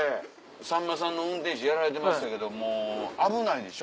さんまさんの運転手やられてましたけど危ないでしょ？